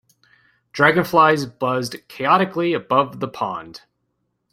Dragonflies buzzed chaotically above the pond.